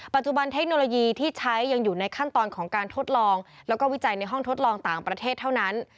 เทคโนโลยีที่ใช้ยังอยู่ในขั้นตอนของการทดลองแล้วก็วิจัยในห้องทดลองต่างประเทศเท่านั้น